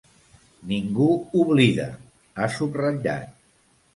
“Ningú oblida!”, ha subratllat.